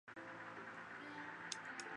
尚未收复的意大利其版图。